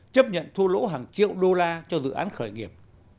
chấp nhận thu lỗ hàng triệu đô la cho dự án khởi nghiệp